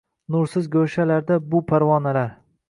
Nursiz go‘shalarda bu parvonalar